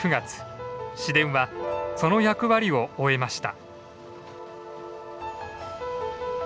市電はその役割を終えました。